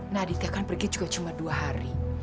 nah aditya kan pergi juga cuma dua hari